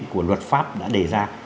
cái quy định của luật pháp đã đề ra